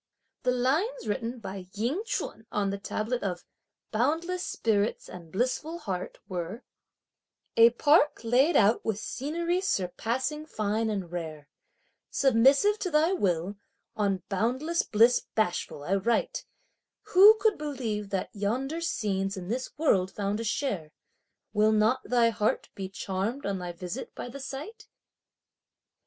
The lines written by Ying Ch'un on the tablet of "Boundless spirits and blissful heart" were: A park laid out with scenery surpassing fine and rare! Submissive to thy will, on boundless bliss bashful I write! Who could believe that yonder scenes in this world found a share! Will not thy heart be charmed on thy visit by the sight?